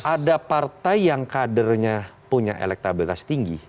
ada partai yang kadernya punya elektabilitas tinggi